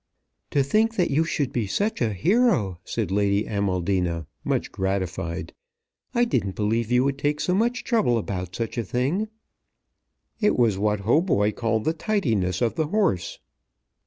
"To think that you should be such a hero!" said Lady Amaldina, much gratified. "I didn't believe you would take so much trouble about such a thing." "It was what Hautboy called the tidiness of the horse."